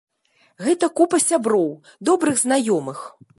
Гэта купа сяброў, добрых знаёмых.